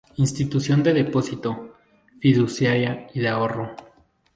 Institución de depósito, fiduciaria y de ahorro.